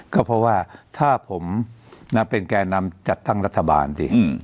ก็เพราะว่าถ้าผมเป็นแก่นำจัดตั้งรัฐบาลสิ